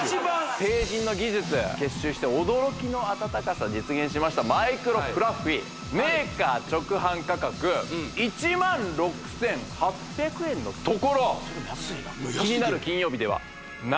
テイジンの技術結集して驚きの温かさ実現しましたマイクロフラッフィーメーカー直販価格１万６８００円のところ安いな安いけどね